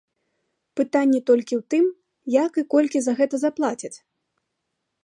Пытанне толькі ў тым, як і колькі за гэта заплацяць?